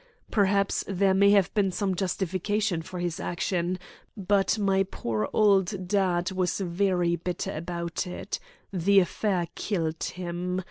Perhaps there may have been some justification for his action, but my poor old dad was very bitter about it. The affair killed him.